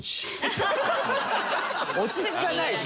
落ち着かないでしょ。